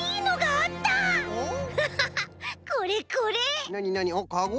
あっかご？